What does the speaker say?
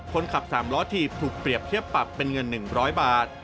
คนขับ๓ล้อถีบถูกเปรียบเทียบปรับเป็นเงิน๑๐๐บาท